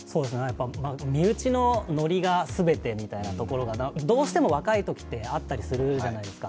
身内のノリが全てみたいなところがどうしても若いときって、あったりするじゃないですか。